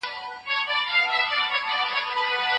اسان کار دی.